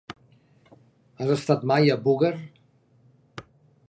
Has estat mai a Búger?